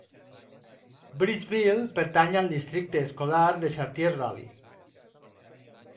Bridgeville pertany al districte escolar de Chartiers Valley.